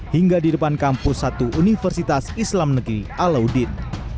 hingga di depan kampus satu universitas islam negeri alaudin